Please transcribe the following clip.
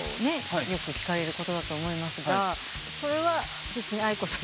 よく聞かれることだと思いますがそれは別にａｉｋｏさんじゃないですよね？